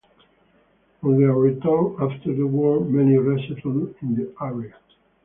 On their return after the war, many resettled in the area.